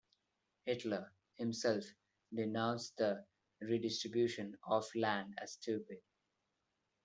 Hitler himself denounced the redistribution of land as "stupid".